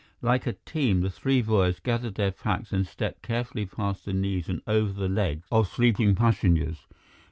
Like a team, the three boys gathered their packs and stepped carefully past the knees and over the legs of sleeping passengers.